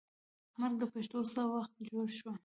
مرکه د پښتو څه وخت جوړه شوه.